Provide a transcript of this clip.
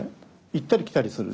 行ったり来たりする。